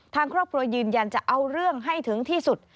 ทางครอบครัวยืนยันจะเอาเรื่องให้ถึงที่สุด